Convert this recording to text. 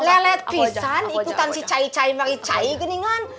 lelet pisan ikutan si cai cai maricai gini kan